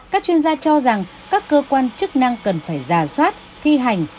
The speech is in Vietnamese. các chuyên gia cho rằng các cơ quan chức năng cần phải giả soát thi hành